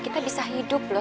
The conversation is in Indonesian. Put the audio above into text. kita bisa hidup loh